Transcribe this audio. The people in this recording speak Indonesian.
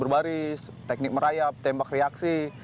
baris baris teknik merayap tembak reaksi